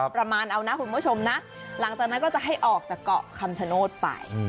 ประมาณเอานะคุณผู้ชมนะหลังจากนั้นก็จะให้ออกจากเกาะคำชโนธไป